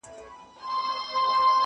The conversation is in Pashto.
عالمونو زنده باد نارې وهلې!.